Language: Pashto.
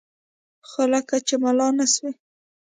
خو لکه چې ملا نه سوې.